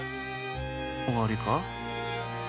おわりか？